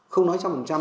không nói trăm phần trăm